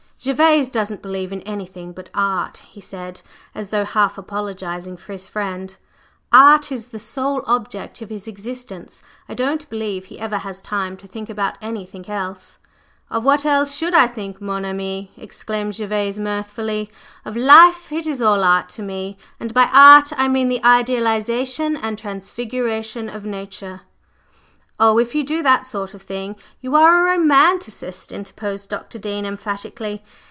"Gervase doesn't believe in anything but Art," he said, as though half apologizing for his friend: "Art is the sole object of his existence; I don't believe he ever has time to think about anything else." "Of what else should I think, mon ami?" exclaimed Gervase mirthfully. "Of life? It is all Art to me; and by Art I mean the idealization and transfiguration of Nature." "Oh, if you do that sort of thing you are a romancist," interposed Dr. Dean emphatically.